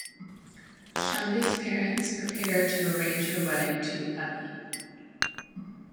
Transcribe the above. Chandni's parents prepare to arrange her wedding to Amit.